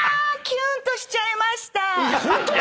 キュンとしちゃいました。